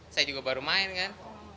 saya juga baru main kan